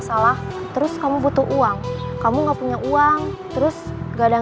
saya sama deden nanti duduk ngapit calon korban